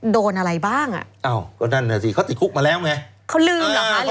โดนอะไรบ้างอ่ะอ้าวก็นั่นน่ะสิเขาติดคุกมาแล้วไงเขาลืมเหรอคะ